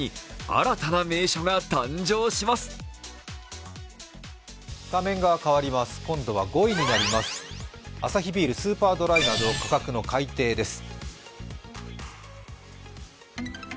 アサヒビール、スーパードライが価格の改定です。